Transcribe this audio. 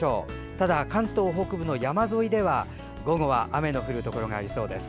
ただ関東北部の山沿いでは午後は雨の降るところがありそうです。